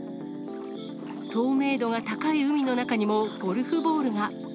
透明度が高い海の中にもゴルフボールが。